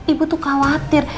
ibu tuh khawatir